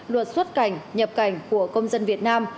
luật xuất cảnh nhập cảnh của công dân việt nam